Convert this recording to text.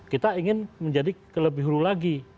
kita ingin menjadi lebih hulu lagi